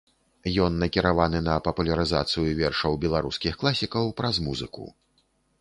Ён накіраваны на папулярызацыю вершаў беларускіх класікаў праз музыку.